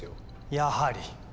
やはり。